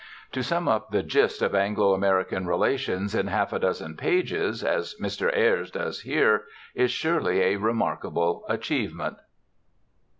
To sum up the gist of Anglo American relations in half a dozen pages, as Mr. Ayres does here, is surely a remarkable achievement.